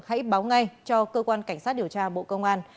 hãy báo ngay cho cơ quan cảnh sát điều tra bộ công an